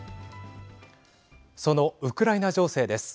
そのウクライナ情勢です。